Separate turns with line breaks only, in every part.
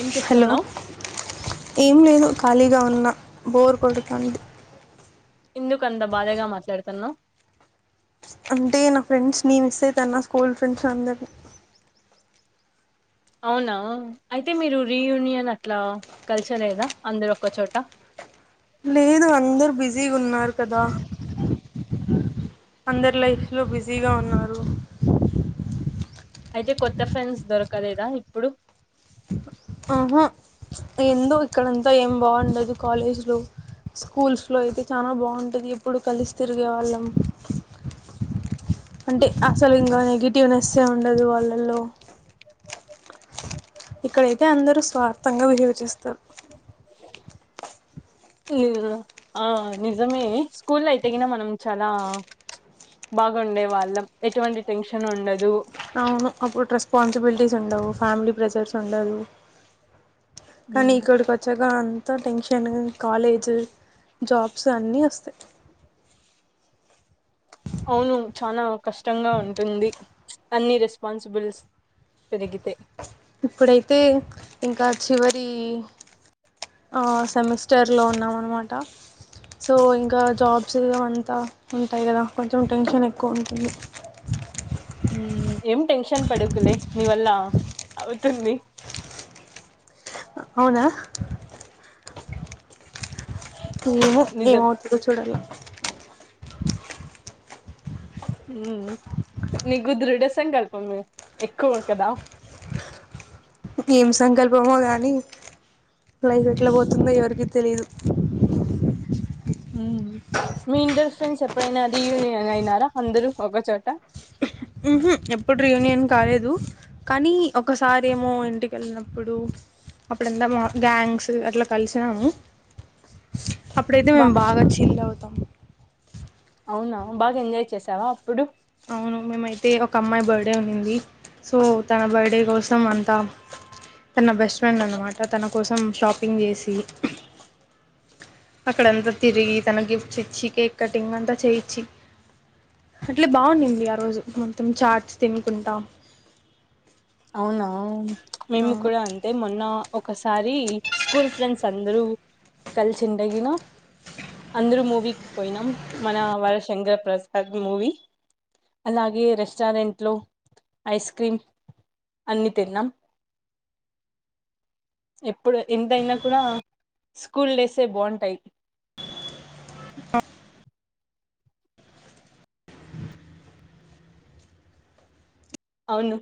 ఏం
హలో
చేస్తున్నావు
ఏం లేదు ఖాళీగా ఉన్న బోర్ కొడతాంది.
ఎందుకు అంత బాధగా మాట్లాడుతున్నావు.
అంటే నా ఫ్రెండ్స్ ని మిస్ అవుతన్న స్కూల్ ఫ్రెండ్స్ అందరిని.
అవునా అయితే మీరు రీయూనియన్ అట్లా కలిసలేదా అందరు ఒక్క చోట.
లేదు అందరు బిజీగా ఉన్నారు కదా. అందరు లైఫ్ లో బిజీగా ఉన్నారు.
అయితే కొత్త ఫ్రెండ్స్ దొరకలేదా ఇప్పుడు
ఆహా ఎందు ఇక్కడంతా ఏం బాగుండదు. కాలేజీలో స్కూల్స్లో అయితే చాలా బాగుంటుంది ఎప్పుడు కలిసి తిరిగే వాళ్ళం. అంటే అసలు ఇంకానే నెగిటివ్నెస్సే ఉండదు వాళ్ళల్లో. ఇక్కడైతే అందరూ స్వార్థంగా బిహేవ్ చేస్తారు.
ఆ నిజమే స్కూల్ అయితేగిన మనం చాలా బాగుండే వాళ్ళం ఎటువంటి టెన్షన్ ఉండదు.
అవును అప్పుడు రెస్పాన్సిబిలిటీస్ ఉండవు ఫ్యామిలీ ప్రెజర్స్ ఉండదు. కానీ
ఉమ్,
ఇక్కడికి వచ్చాక అంత టెన్షన్ కాలేజ జబ్స్ ఆని వస్త
అవును చానా కష్టంగా ఉంటుంది. అన్ని రెస్పాన్సిబిలిస్ పెరిగితే
ఇప్పుడైతే ఇంకా చివరి సెమిస్టర్లో ఉన్నామ అన్నమాట. సో ఇంకా జాబ్స్ అంతా ఉంటాయి కదా కొంచెం టెన్షన్ ఎక్కువ ఉంటుంది.
ఊ ఏం టెన్షన్ పడుకులే నీ వల్ల అవుతుంది.
అవునా ఏమొ
నిజం
ఏమవుతాదో చూడాల [unintelligible]
ఊ నీకు దృఢ సంకల్పం ఎక్కువ ఉంటదా.
ఎం సంకల్పమొ గానీ లైఫ్ ఎట్లా పోతుందో ఎవరికి తెలీదు
ఊ చ్ మీ ఇంటరు ఫ్రెండ్స్ ఎప్పుడైనా రీయూనియన్ అయినారా అందరు ఒకచోట.
ఉహు ఎప్పుడు రి ఎం కాలేదు కానీ ఒకసారి ఏమో ఇంటికి వెళ్ళినప్పుడు అప్పుడంత గ్యాంగ్స్ అట్లా కలిసినాము. అప్పుడైతే
బా
మేము బాగా చిల్ అవుతాం.
అవునా బాగా ఎంజాయ్ చేసావా అప్పుడు.
అవును మేమైతే ఒక అమ్మాయి బర్త్డే ఉన్నింది. సో తన బర్త్డే కోసం అంతా తన బెస్ట్ ఫ్రెండ్ అనమాట తన కోసం షాపింగ్ చేసి అక్కడ ఎంత తిరిగి తన గిఫ్ట్స్చ్చికే కటింగ్ అంతా చేయించి అట్లే బాగుండింది ఆ రోజు మొత్తం చార్ట్స్ తినుకుంటా
అవునా మేము
అవును
కూడా అంటే మొన్న ఒకసారి స్కూల్ ఫ్రెండ్స్ అందరూ కలిసిందగిన అందరూ మూవీకి పోయినాం మన వర శంకరప్రసాద్ మూవీ అలాగే రెస్టారెంట్లో ఐస్ క్రీమ్ అన్ని తిన్నాం ఎప్పుడు ఎంతైనా కూడా స్కూల్ డేసే బాగుంటాయి అవును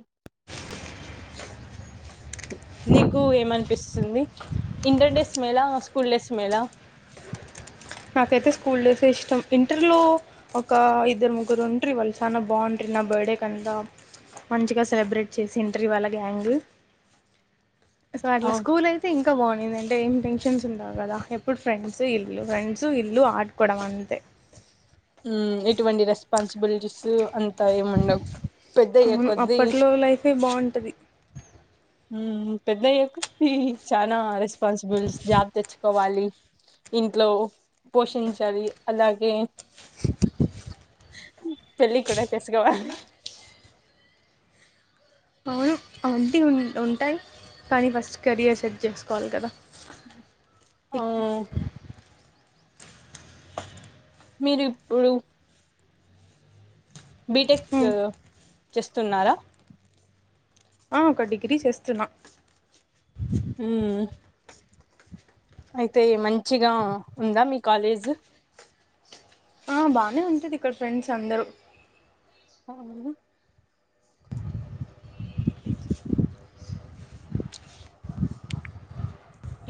నీకు ఏమనిపిస్తుంది ఇంటర్ డేస్ మేల స్కూల్ డేస్ మేల
నాకైతే స్కూల్ డేస్ ఇష్టం ఇంటర్లో ఒక ఇద్దరు ముగ్గురు ఉంట్రి ఇ వాళ్ళు చన్న బాగుంట్రీ నా బర్త్డే కంత మంచిగా సెలబ్రేట్ చేసి ఇంట్ర వాళ్ళ గ్యాంగ్ అసో అట్లా
అవును
స్కూల్ అయితే ఇంకా బాగుంటందండి అంటే ఏం టెన్షన్స్ ఉండవు కదా ఎప్పుడు ఫ్రెండ్స్ ఇల్లు ఫ్రెండ్స్ సు ఇల్లు ఆడ్కొవడం అంతే
ఉం ఎటువంటి రెస్పాన్సిబిలిటీస్ అ
అవును అప్పట్లో లైఫే బాగుంటది
ఉం పెద్దయ్యాక చానా రెస్ పాన్సిబుల్స్ జాబ్ తెచ్చుకోవాలి ఇంట్లో పోషించాలి అలాగే [inaudible] పెల్లి కూడా తెసుకోవ
అవును అవాంటీ ఉంటాయి కానీ ఫస్ట్ కెరయర్ సెట్ చేసుకోవాలి కదా
ఆ
ఎక్
మీరిప్పుడు బిటెక్
ఉమ్.
చేస్తున్నారా
ఆ ఒక డిగ్రీ చేస్తున్నా
ఉమ్ అయితే మంచిగా ఉందా మీ కాలేజ్
ఆ బానే ఉంటది ఇక్కడ ఫ్రెండ్స్ అందరూ
[unintelligible]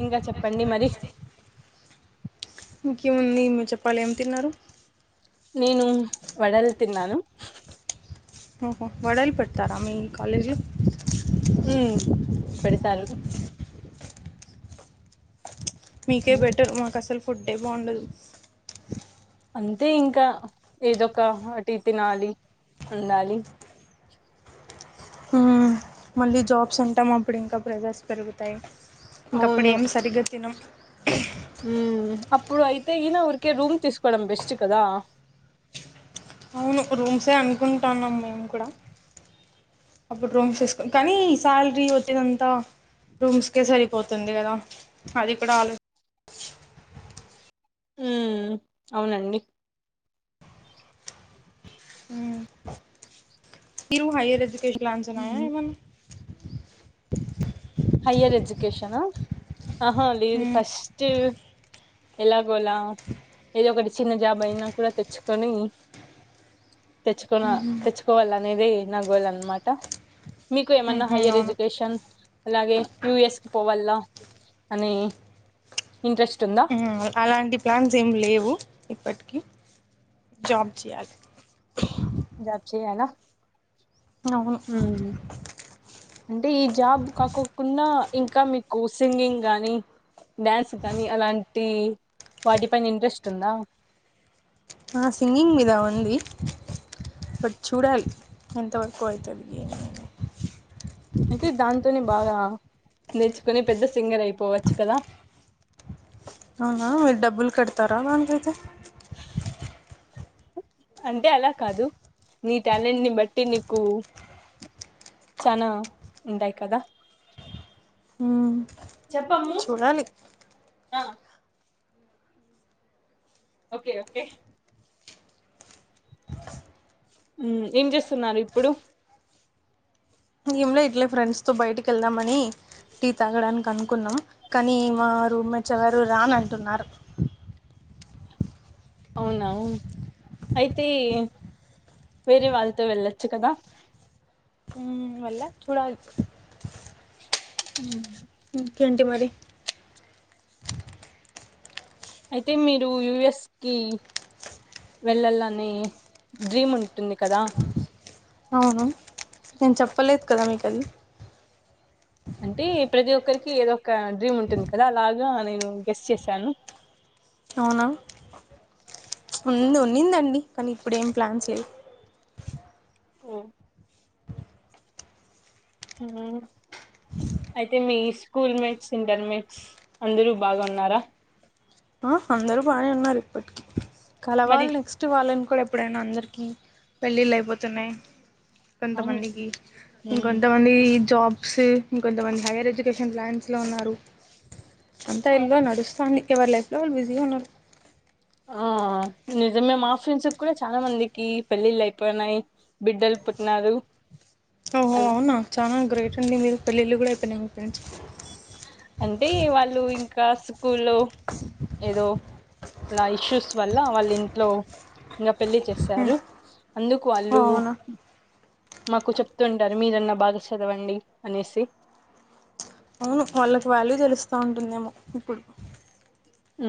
ఇంగా చెప్పండి మరి
ఇంకేముంది మీరు చెప్పాలి ఏం తిన్నారు
నేను వడల్ తిన్నాను
ఓహో వడలు పెడ్ తార మీ కాలేజ్
మ్మ్ పెడతారు
మీకే బెటర్ మాకు అసల్ ఫుడ్డే బాగుండదు
అంతే ఇంకా ఏదొ ఒక టి తినాలి ఉండాలి
మ్మ్. మళ్ళీ జాబ్స్ అంటాం అప్పుడు ఇంకా ప్రెజర్స్ పెరుగుతాయి ఇంక అప్పుడు
అవును
ఏం సరిగ్గాతినం [inaudible]
ఉమ్ అప్పుడు అయితే గిన ఊరికే రూమ్ తీసుకోవడం బెస్ట్ కదా
అవును రూమ్సే అనుకుంటాన్నాం మేము కూడా అప్పుడు రూమ్స్ వేసుకు కానీ శాలరీ వచ్చేదంతా రూమ్స్కే సరిపోతుంది కదా అది కూడా ఆలోచ
ఉమ్ అవునండి
మీరు హయ్యర్ ఎడ్యుకేషన్ ప్లాన్స్ ఉన్నాయా ఏమైనా
హైయర్ ఎజ్యుకేషనా ఆహా లేదు
హ్మ్
ఫస్ట్ ఎలాగోలా ఏదో ఒకటి చిన్న జాబ్ అయినా కూడా తెచ్చుకొని తెచ్చుకోన తెచ్చుకోవాల అనేదే నా గోల్ అనమాట మీకు ఏమన్నా
ఉహు
హైయర్
అవును
ఎడ్యుకేషన్ అలాగే యుఎస్ కి పోవాల్ అవును కానీ
ఉమ్ హు అలాంటి ప్లాన్స్ ఏమి లేవు ఇప్పటి జాబ్ చేయాలి
జాబ్ చేయాలా
అవును
ఉమ్ అంటే ఈ జాబ్ కాకోకుండా ఇంకా మీకు సింగింగ్ కానీ డ్యాన్స్ కానీ అలాంటి వాటిపైన ఇంట్రెస్ట్ ఉందా
ఆ సింగింగ్ మీద ఉంది బట్ చూడాలి ఎంతవరకు అవుతుంది
అయితే దాంతతోనే బాగా నేర్చుకుని పెద్ద సింగర్ అయిపోవచ్చు కదా
అవునా మీరు డబ్బులు కడతారా దానికైతే
అంటే అలా కాదు నీ టాలెంట్ ని బట్టి నీకు చా నా ఉంటాయి కదా
హ్మ్
చెప్పమ్ము
చూడాలి
ఆ ఓకే ఓకే ఉమ్ ఏం చేస్తున్నారు ఇప్పుడు
ంలో ఇట్లే ఫ్రెండ్స్తో బయటికి వెళ్దామని టీ తాగడానికి అనుకున్నా కానీ మా రూమ్ మేట్స్ ఎవరు రాను అంటున్నారు
అవునా అయితే వేరే వాళ్ళతో వెళ్ళొచ్చు కదా
వెల్చ్ చూడాలీ
ఉ
ఇంకేం ట్ టి మరి
అయితే మీరు యుఎస్కిి వెళ్ళాలనే డ్రీమ్ ఉంటుంది కదా
అవును నేను చెప్పలేదు కదా మీకు అది
అంటే ప్రతి ఒక్కరికి ఏదో ఒక డ్రీమ్ ఉంటుంది కదా అలాగా నేను గెస్ చేశాను
అవునా ఉ ఉ నిందండి కానీ ఇప్పుడు ఏం ప్లాన్స్ లేదు
ఆఓ అయితే మీ స్కూల్ మేట్స్ ఇంటర్మేట్స్ అందరూ బాగాన్నారా
ఆ అందరుూ బానే ఉన్నారు ఇప్పటికి
మరి
కలవాలి నెక్స్ట్ వాళ్ళని కూడా ఎప్పుడైనా అందరికీ పెళ్ళిళ్ళు అయిపోతున్నాయి
అవును
కొంతమందికి
మ్మ్
ఇంకంతమంది జాబ్ ఇంకొంతమంది హైయర్ ఎడ్యుకేషన్ ప్లాన్స్లో ఉన్నారు అంతా
ఆ
ఇల్లో నడుస్తోంది ఎ కేవాలే లు బిజీ ఉన్నారు
ఆ నిజమే మా ఫ్రెండ్స్ కూడా చాలా మందికి పెళ్ళిళ్ళు అయిపోయినాయి బిడ్డలు పుట్న్నారు
వునా చా గ్రేట్ ఇల్ల ఇళ్లు కూడా అయిపోయి మీ ఫ్రెండ్స్
అంటే వాళ్ళు ఇం ఇంకా స్కూల్లో ఏదో ఇ ఇష్యూస్ వల్ల వాళ్ళ ఇంట్లో ఇం పెళ్లిి చేశారు అందుకు వాళ్ళు
అవునా
మాకు చెప్తుంటారు మీరన్నా బాగా చదవండి అనేసి
అవును వాళ్ళకి వాల్యూ తెలుస్తా ఉంటుందేమో ఇప్పుడు
ఉ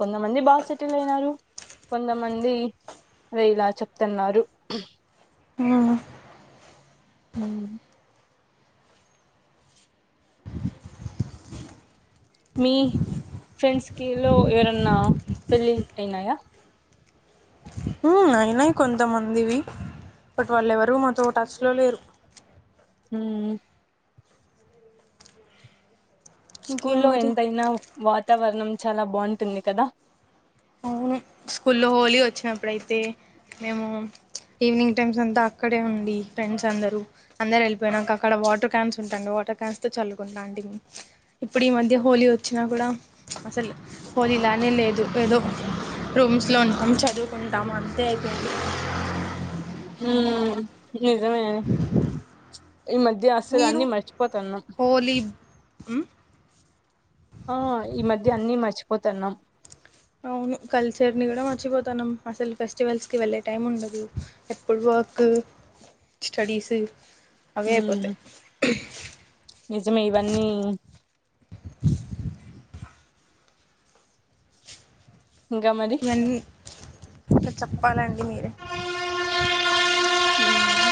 కొంతమంది బాగా సెటిల్ అయిన కొంతమంది అే ఇలా చెప్తున్నారు
అ
అ మీ ఫ్రెండ్స్ కి లో ఎవరన్నా పెళ్ళి అయినాయా
అయినా కొంతమందివి బట్ వాళ్ళు ఎవరు మాతో టచ్ లో లేరు
హ స్కూ
ఇంకేం
లో
మరి
ఎంతైనా వా వాతావరణం చాలా బాగుంటుంది కదా
అవును స్కూల్లో హోలీ వచ్చినప్పుడయితే మేము ఈవినింగ్ టైమ్స్ అంతా అక్కడే ఉండి ఫ్రెండ్స్ అందరూ అందరూ వెళ్ళిపోయానాక అక్కడ వాటర్ క్యాన్స్ ఉంటాడి వాటర్ క్యాన్స్తో చల్లుకుంటాలాంటివి ఇప్పుడు ఈ మధ్య హోలీ వచ్చినా కూడా అసలు హోలీ ఇలానే లేదు ఏదో రూమ్స్లో ఉంటాం చదువుకుంటాము అంతే అయిపోంది
హ ఇదమేను ఈ మధ్య అసలు
మీరు
అన్ని మర్చిపోతాన్నా
హోలీ ఉమ్
ఆ ఈ మధ్య అన్ని మర్చిపో పతన్నం
అవును కల్చర్ని కూడా మర్చిపోతానుం అసలు ఫెస్టివల్స్కి వెళ్ళే టైం ఉండదు ఎప్పుడు వర్క్ స్టడీస్ అవే
ఉమ్
అయిపోతాయి
నిజమే ఇవన్నీ ఇంకా మరీ
ఇవన్నీ ఇంకా చెప్పాలండి మీరే
ఉమ్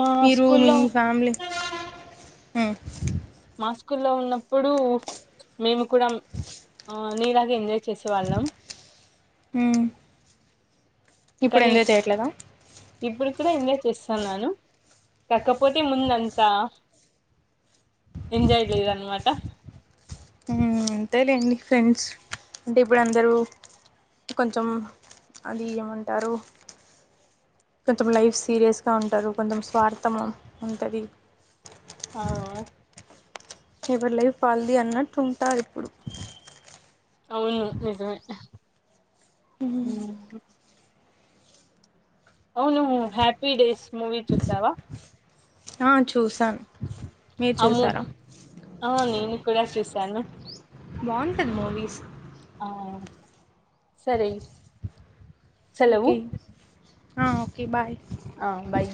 మా
మీరు మీ
స్కూల్లో
ఫ్యామిలీ ఉమ్
మా స్కూల్లో ఉన్నప్పుడు మేము కూడా నీలాగ ఎంజాయ్ చేసేవాళ్ళం
ఉమ్ ఇప్పుడు
కానీ
ఎంజాయ్ చేయట్లేదా
ఇప్పుడు కూడా ఎంజాయ్ చేస్తున్నాను కాకపోతే ముందు అంతా ఎంజాయ్ లేదన్నమాట
ఉమ్ అంతేలేండి ఫ్రెండ్స్ అంటే ఇప్పుడు అందరూ కొంచెం అది ఏమంటారు కొంచెం లైఫ్ సీరియస్గా ఉంటారు కొంచెం స్వార్థం ఉంటది
ఆ
ఎవరు లైఫ్ వాల్ది అన్నట్టు ఉంటారు ఇప్పుడు
అవును నిజమే ఉమ్ అవును హ్యాపీ డేస్ మూవీ చూసావా
ఆ చూసాను మీరు
అమ్మో
చూసారా
ఆ నేను కూడా చూసాను
బాగుంటది మూవీస్
ఆ సరే సెలవు
ఓకే ఆ ఓకే బాయ్
ఆ బాయ్